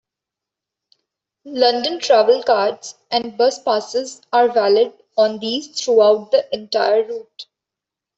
London Travelcards and Bus Passes are valid on these throughout the entire route.